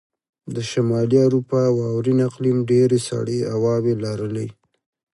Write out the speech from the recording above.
د شمالي اروپا واورین اقلیم ډېرې سړې هواوې لرلې.